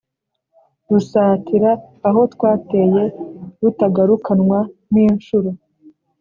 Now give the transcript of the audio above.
rusatira aho twateye, rutagarukanwa n'inshuro.